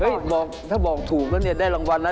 เฮ่ยถ้าบอกถูกก็ได้รางวัลนะ